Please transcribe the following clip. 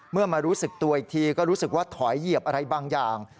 มารู้สึกตัวอีกทีก็รู้สึกว่าถอยเหยียบอะไรบางอย่าง